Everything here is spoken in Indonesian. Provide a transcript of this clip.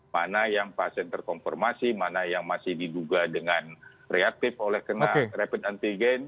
mana yang pasien terkonfirmasi mana yang masih diduga dengan reaktif oleh kena rapid antigen